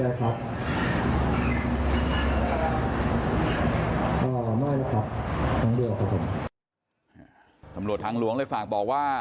อ่าไม่แล้วครับทำลวจทางหลวงครับผมทำลวจทางหลวงเลยฝากบอกว่า